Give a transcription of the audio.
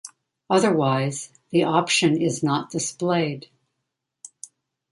Otherwise, the option is not displayed.